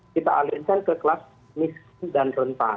kita alihkan ke kelas miskin dan rentan